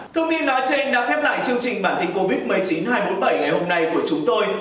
thông tin nói trên đã khép lại chương trình bản tin covid một mươi chín hai trăm bốn mươi bảy ngày hôm nay của chúng tôi